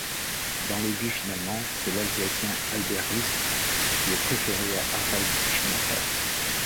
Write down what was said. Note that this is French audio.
Dans les buts finalement, c'est l'Alsacien Albert Rust qui est préféré à Harald Schumacher.